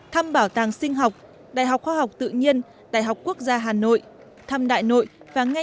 thăm bảo tàng sinh học đại học khoa học tự nhiên đại học quốc gia hà nội thăm đại nội và nghe nhãn nhạc cung đình huế tại duyệt thị đường thăm nhà lưu niệm phan bộ châu